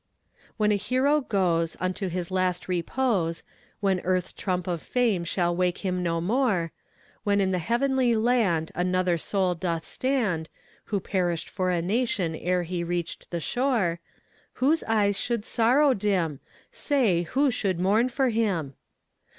When a hero goes Unto his last repose, When earth's trump of fame shall wake him no more; When in the heavenly land Another soul doth stand, Who perished for a Nation ere he reached the shore; Whose eyes should sorrow dim? Say, who should mourn for him?